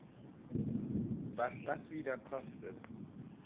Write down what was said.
Was das wieder kostet!